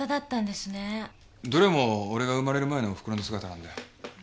どれも俺が生まれる前のおふくろの姿なんだよ。